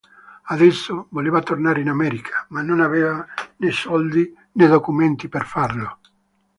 Adesso voleva tornare in America, ma non aveva né soldi né documenti per farlo.